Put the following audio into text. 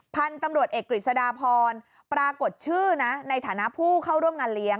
พันธุ์ตำรวจเอกกฤษฎาพรปรากฏชื่อนะในฐานะผู้เข้าร่วมงานเลี้ยง